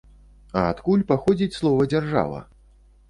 А адкуль паходзіць слова дзяржава?